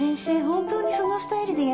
本当にそのスタイルで。